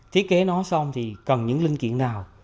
thiết kế nó xong thì cần những linh kiện nào